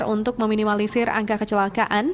untuk meminimalisir angka kecelakaan